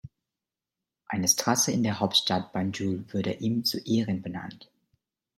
Eine Straße in der Hauptstadt Banjul wurde ihm zu Ehren benannt.